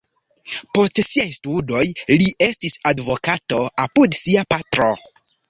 Post siaj studoj li estis advokato apud sia patro.